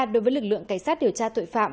đối với lực lượng cảnh sát điều tra tội phạm